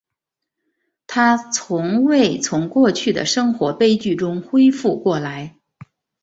她从未从过去的生活悲剧中恢复过来。